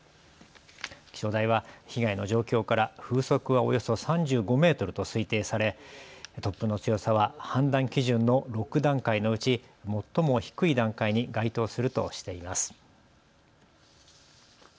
気象台は被害の状況から風速はおよそ３５メートルと推定され突風の強さは判断基準の６段階のうち最も低い段階に該当するとしています。